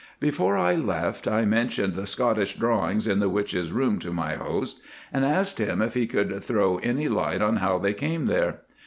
Before I left, I mentioned the Scottish drawings in the witch's room to my host, and asked him if he could throw any light on how they came there.